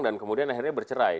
dan kemudian akhirnya bercerai